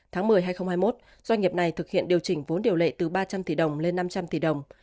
tháng một mươi hai nghìn hai mươi một doanh nghiệp này thực hiện điều chỉnh vốn điều lệ từ ba trăm linh tỷ đồng lên năm trăm linh tỷ đồng